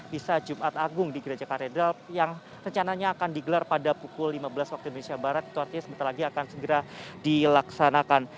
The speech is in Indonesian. misa jumat agung di gereja katedral yang rencananya akan digelar pada pukul lima belas waktu indonesia barat itu artinya sebentar lagi akan segera dilaksanakan